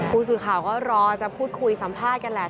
ผู้สื่อข่าวก็รอจะพูดคุยสัมภาษณ์กันแหละ